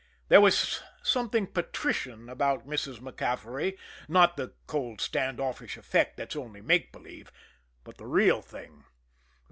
There was something patrician about Mrs. MacCaffery not the cold, stand offish effect that's only make believe, but the real thing.